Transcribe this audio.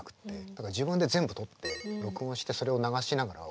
だから自分で全部取って録音してそれを流しながら覚える。